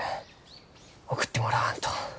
送ってもらわんと。